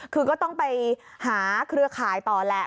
คือก็ต้องไปหาเครือข่ายต่อแหละ